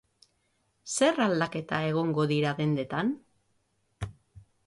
Zer aldaketa egongo dira dendetan?